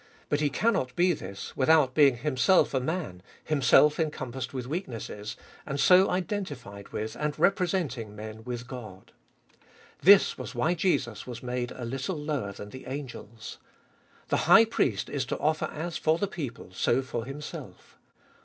But he cannot be this, without being himself a man himself encompassed with weaknesses, and so identified with, and representing men with God. This was why Jesus was made a little lower than the angels. The high priest is to offer as for the people, so for himself.